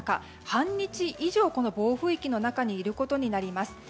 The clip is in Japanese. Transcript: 半日以上、この暴風域の中にいることになります。